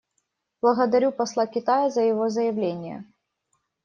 Благодарю посла Китая за его заявление.